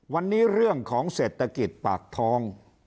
วันนี้เรื่องของเศรษฐกิจปากท้อง